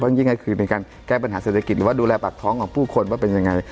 ยิ่งก็คือเป็นการแก้ปัญหาเศรษฐกิจหรือว่าดูแลปากท้องของผู้คนว่าเป็นยังไง